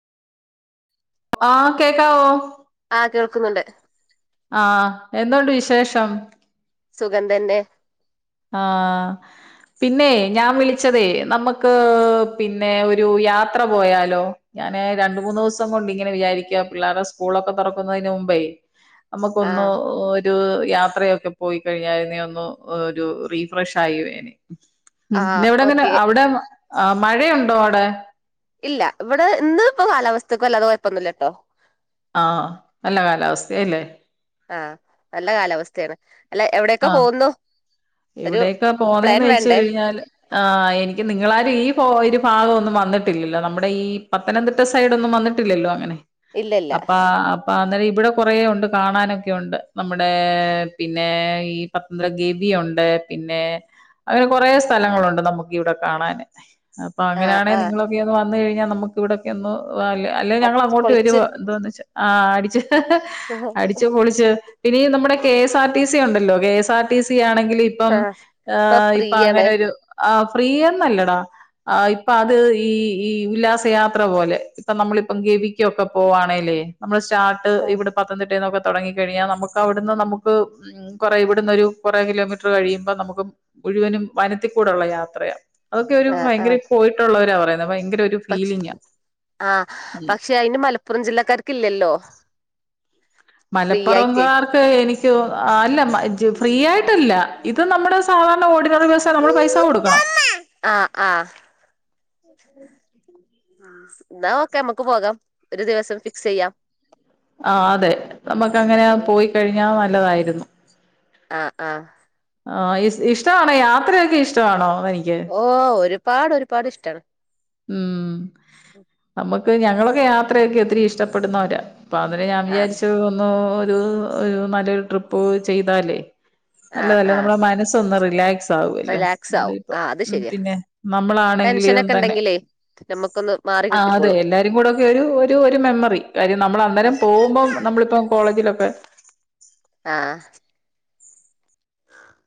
[inaudible] ആ കേൾക്കുന്നുണ്ട് ആ എന്തോ ഉണ്ട് വിശേഷം? സുഖം തന്നെ. ആ പിന്നെ ഞാൻ വിളിച്ചതെ നമുക്ക് പിന്നെ ഒരു [inaudible] മ്പേ ആ നമുക്കൊന്ന് ഒരു യാത്രയൊക്കെ പോയിക്കഴിഞ്ഞാരുന്നേൽ ഒന്ന് ഒരു റി-ഫ്രഷായിയേനേ ആ അവിടെങ്ങനെ ഓക്കെ അവിടെ ആ മഴയുണ്ടോ അവിടെ? ഇല്ല ഇവിടെ ഇന്ന് ഇപ്പൊ കാലാവസ്ഥക്ക് വല്ലാതെ കുഴപ്പൊന്നുമില്ല കേട്ടോ. ആ നല്ല കാലാവസ്ഥയാഅല്ലേ? ആഹ് നല്ല കാലാവസ്ഥയാണ് അല്ല എവിടെക്കെ പോകുന്നു ഒരു എവിടെക്കാ പ്ലാൻ പോന്നന്ന് വെച്ച് വേണ്ടേ കഴിഞ്ഞാൽ ആ എനിക്ക് നിങ്ങളാരിം ഒരു ഭാഗൊന്നും വന്നിട്ടില്ലല്ലോ നമ്മുടെ ഈ പത്തനംതിട്ട സൈഡൊന്നും വന്നിട്ടില്ലല്ലോ അങ്ങനെ ഇല്ല ഇല്ല അപ്പ അപ്പ അന്നേരം ഇവിടെ കുറേ ഉണ്ട് കാണാനൊക്കെയുണ്ട് നമ്മുടെ പിന്നെ ഈ പത്തന്ത്രഗവിയുണ്ട് പിന്നെ അങ്ങനെ കൊറേ സ്ഥലങ്ങളുണ്ട് നമുക്ക് ഇവിടെ കാണാൻ അപ്പൊ ആ അങ്ങനാണെ ആ നിങ്ങളൊക്കെ ഒന്ന് വന്ന് കഴിഞ്ഞാൽ നമുക്ക് ഇവിടൊക്കെ ഒന്ന് ഓ അല്ലെ ഞങ്ങള് അടിച്ച് അങ്ങോട്ട് പൊളിച്ച് വരുവാ എന്താന്ന് വച്ച ആ അടിച്ച് പൊളിച്ച് പിന്നെ ഈ നമ്മുടെ K S R T C ഉണ്ടല്ലോ K S R T C ആണെങ്കില് ഇപ്പം ആ ഇപ്പൊ അങ്ങനെ ഒരു ആ ഫ്രീ എന്നല്ലടാ, ഇപ്പൊ അത് ഈ ഈ ഉല്ലാസയാത്ര പോലെ ഇപ്പ നമ്മളി പ്പം ഗവിക്കൊക്കെ പോവാണെലേ നമ്മൾ സ്റ്റാർട്ട് ഇവിടെ പത്തനംതിട്ടന്നൊക്കെ തുടങ്ങികഴിഞ്ഞാൽ നമുക്ക് അവിടുന്ന് നമുക്ക് ഉം കുറെ ഇവിടുന്ന് ഒരു കുറേ കിലോമീറ്റർ ർ കഴിയുമ്പോ നമുക്ക് മുഴുവനും വനത്തിക്കൂടെള്ള യാത്രയാണ് അതൊക്കെ ഒരു ആ ആ ആ. ഭയങ്കര പോയിട്ടുള്ളവരാ പറഞ്ഞെ പക്ഷ ആഹ പക്ഷെ അയ്ന് മലപ്പുറം ജില്ലക്കാർക്ക് ഇല്ലല്ലോ ഫ്രീ ആയിട്ട് മലപ്പുറംകാർക്ക് എനിക്കു അല്ല ഫ്രീ ആയിട്ടല്ല. ഇത് നമ്മുടെ സാധാരണ ഓടി റ്റർ ബസ്സാ നമ്മള് പൈസ കൊടുക്കണം ആ ആ എന്നാ ഓക്കെ നമ്മുക്ക് പോകാം. ഒരു ദിവസം ഫിക്സ് ചെയ്യാം ആ അതെ, നമ്മുക്ക് അങ്ങനെ ചെയ്യാം പോയി കഴിഞ്ഞാ നല്ലതായിരുന്നു ആഹ ആഹ ആ ഇഷ്ടമാണോ യാത്രയൊക്കെ ഇഷ്ടമാണോ തനിക്ക് ഓ ഒരുപാട് ഒരുപാട് ഇഷ്ടാണ് ഉം.. നമുക്ക്, ഞങ്ങളൊക്കെ യാത്രയൊക്കെ ഒത്തിരി ഇഷ്ടപ്പെടുന്നവരാ അപ്പൊ അതിൽ ഞാൻ ആഹ് വിചാരിച്ച് ഒന്ന് ഒരു ഒരു നല്ലൊരു ട്രിപ്പ് ചെയ്താലെ ആഹ് നല്ലതല്ലെ, ആഹ് നമ്മളെ മനസ്സൊന്ന് റിലാക്സ് സാവോല്ലോ റിലാക്സ് ആവും ആഹ് അത് ശരിയാ പിന്നെ നമ്മളാണെങ്കിലും തന്നെ നമക്കൊന്ന് ആ അതെ എല്ലാരും കൂടെ ഒക്കെ ഒരു ഒരു ഒരു മെമ്മറി, കാര്യം നമ്മൾ അന്നേരം ആഹ് പോകുമ്പോം നമ്മളിപ്പം കോ കോളേജിലൊക്കെ, ആഹ